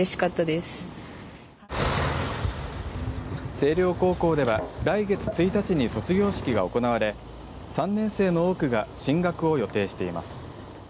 西稜高校では来月１日に卒業式が行われ３年生の多くが進学を予定しています。